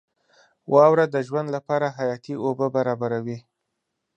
• واوره د ژوند لپاره حیاتي اوبه برابروي.